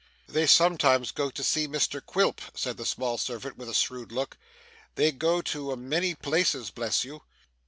'They sometimes go to see Mr Quilp,' said the small servant with a shrewd look; 'they go to a many places, bless you!